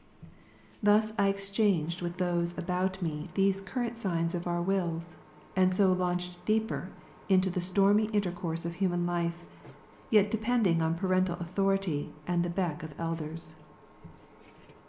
Thus I exchanged with those about me these current signs of our wills, and so launched deeper into the stormy intercourse of human life, yet depending on parental authority and the beck of elders.